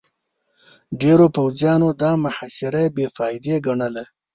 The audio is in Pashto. ډېرو پوځيانو دا محاصره بې فايدې ګڼله.